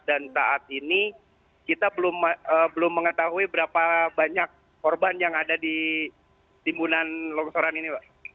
dan saat ini kita belum mengetahui berapa banyak korban yang ada di timbunan longsoran ini pak